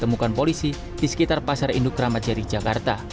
berhasil ditemukan polisi di sekitar pasar induk ramacari jakarta